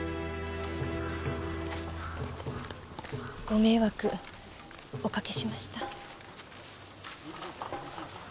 ご迷惑おかけしました。